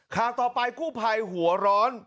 ข้างต่อไปกู้ไพหัวร้อน